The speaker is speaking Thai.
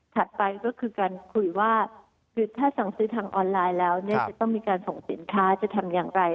ไปก็คือการคุยว่าคือถ้าสั่งซื้อทางออนไลน์แล้วเนี่ยจะต้องมีการส่งสินค้าจะทำอย่างไร